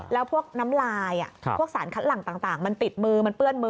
แล้วพวกน้ำลายพวกสารคัดหลังต่างมันติดมือมันเปื้อนมือ